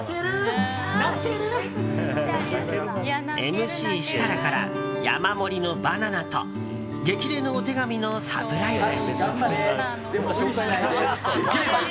ＭＣ設楽から山盛りのバナナと激励のお手紙のサプライズ。